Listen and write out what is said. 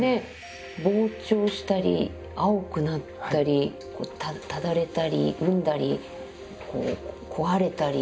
膨張したり青くなったり爛れたり膿んだり壊れたり。